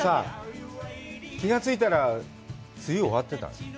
気がついたら、梅雨終わってた。